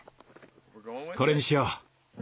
これにしよう。